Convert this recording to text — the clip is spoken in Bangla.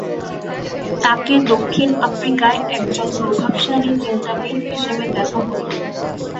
তাকে দক্ষিণ আফ্রিকায় একজন প্রভাবশালী চিন্তাবিদ হিসেবে দেখা হত।